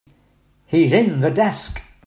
He's in the desk.